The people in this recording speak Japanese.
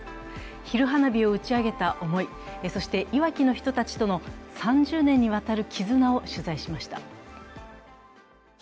昼花火を打ち上げた思い、そして、いわきの人たちとの３０年にわたる絆を取材しました。